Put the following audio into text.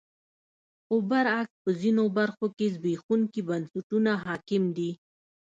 خو برعکس په ځینو برخو کې زبېښونکي بنسټونه حاکم دي.